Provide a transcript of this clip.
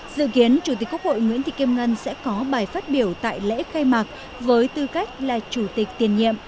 dự kiến chủ tịch quốc hội nguyễn thị kim ngân sẽ có bài phát biểu tại lễ khai mạc với tư cách là chủ tịch tiền nhiệm